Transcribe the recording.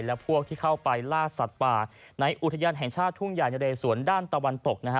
และพวกที่เข้าไปล่าสัตว์ป่าในอุทยานแห่งชาติทุ่งใหญ่นะเรสวนด้านตะวันตกนะฮะ